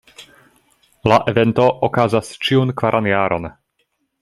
La evento okazas ĉiun kvaran jaron.